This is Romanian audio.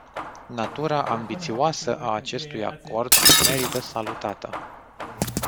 Natura ambițioasă a acestui acord merită salutată.